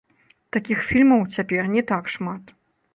Такіх фільмаў цяпер не так шмат.